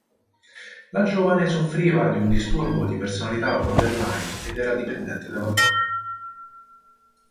La giovane soffriva di un disturbo di personalità borderline ed era dipendente dalla droga.